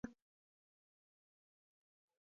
احمده! نورو خلګو ته مه ګوره؛ خپل کنګړ وهه کنکړ!